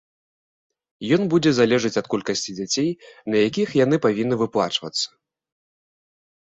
Ён будзе залежаць ад колькасці дзяцей, на якіх яны павінны выплачвацца.